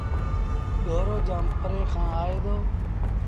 ڍورو جآم پري کآݩ آئي دو۔